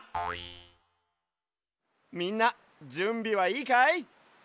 みんなじゅんびはいいかい？